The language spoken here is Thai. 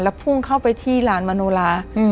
พุ่งเข้าไปที่ลานมโนลา